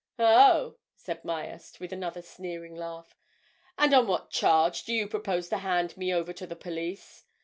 "Oh!" said Myerst, with another sneering laugh. "And on what charge do you propose to hand me over to the police?